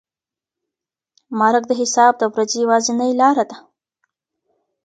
مرګ د حساب د ورځې یوازینۍ لاره ده.